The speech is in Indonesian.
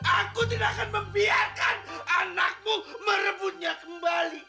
aku tidak akan membiarkan anakmu merebutnya kembali